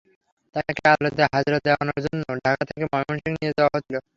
তাঁকে আদালতে হাজিরা দেওয়ানোর জন্য ঢাকা থেকে ময়মনসিংহে নিয়ে যাওয়া হচ্ছিল।